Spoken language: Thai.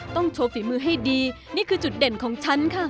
โชว์ฝีมือให้ดีนี่คือจุดเด่นของฉันค่ะ